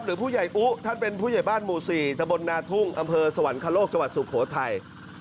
หรือผู้ใหญ่อุ๊ท่านเป็นผู้ใหญ่บ้านหมู่๔ตะบนนาทุ่งอำเภอสวรรคโลกจังหวัดสุโขทัย